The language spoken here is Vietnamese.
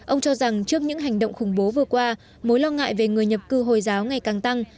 ông cho rằng trước những hành động khủng bố vừa qua mối lo ngại về người nhập cư hồi giáo ngày càng tăng